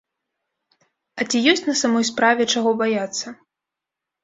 А ці ёсць на самой справе чаго баяцца?